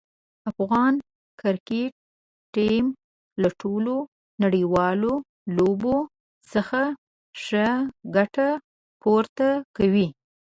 افغان کرکټ ټیم له ټولو نړیوالو لوبو څخه ښه ګټه پورته کوي.